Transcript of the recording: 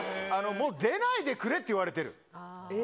もう出ないでくれって言われてる。